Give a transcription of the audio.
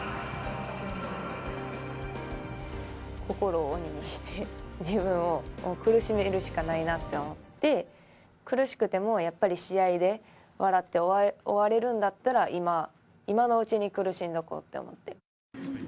心を鬼にして、自分を苦しめるしかないなって思って、苦しくてもやっぱり、試合で笑って終われるんだったら、今のうちに苦しんでおこうと思って。